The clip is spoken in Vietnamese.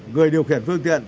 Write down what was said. người điều khiển phương tiện